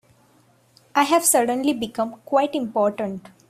I've suddenly become quite important.